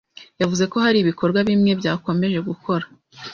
yavuze ko hari ibikorwa bimwe byakomeje gukora